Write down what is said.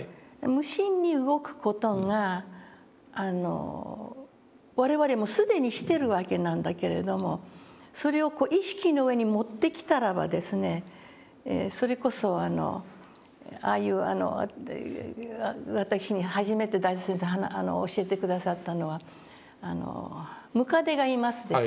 無心に動く事が我々も既にしてるわけなんだけれどもそれをこう意識の上に持ってきたらばですねそれこそああいう私に初めて大拙先生教えて下さったのはムカデがいますでしょ。